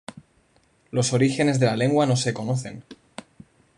Los orígenes de la lengua no se conocen.